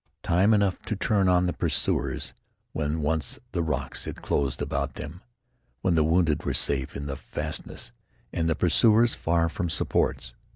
Time enough to turn on the pursuers when once the rocks had closed about them, when the wounded were safe in the fastnesses, and the pursuers far from supports.